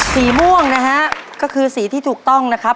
สีม่วงนะฮะก็คือสีที่ถูกต้องนะครับ